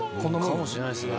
かもしれないですね。